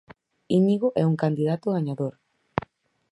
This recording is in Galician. Íñigo é un candidato gañador.